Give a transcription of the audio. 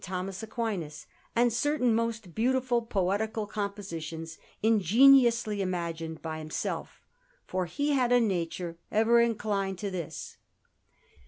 Thomas Aquinas, and certain most beautiful poetical compositions ingeniously imagined by himself, for he had a nature ever inclined to this.